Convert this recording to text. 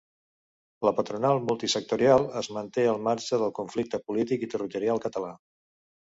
La patronal multisectorial es manté al marge del conflicte polític i territorial català